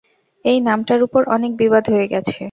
এই নামটার উপর অনেক বিবাদ হয়ে গেছে।